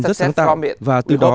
rất sáng tạo và từ đó